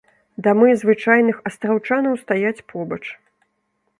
Дамы звычайных астраўчанаў стаяць побач.